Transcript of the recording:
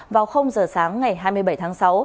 vào h sáng ngày hai mươi bảy tháng sáu